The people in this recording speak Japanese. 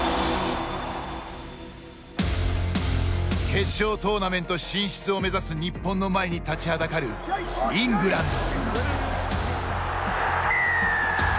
決勝トーナメント進出を目指す日本の前に立ちはだかるイングランド。